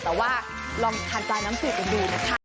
แต่ว่าลองทานปลาน้ำจืดกันดูนะคะ